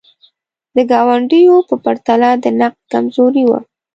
د ګاونډیو په پرتله د نقد کمزوري وه.